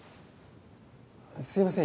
すみません